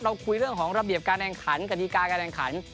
คุยเรื่องของระเบียบการแข่งขันกฎิกาการแข่งขัน